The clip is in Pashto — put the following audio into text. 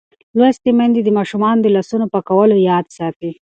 لوستې میندې د ماشومانو د لاسونو پاکولو یاد ساتي.